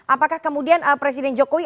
apakah kemudian presiden jokowi